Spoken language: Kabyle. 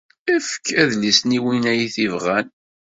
Efk adlis-nni i win ay t-yebɣan.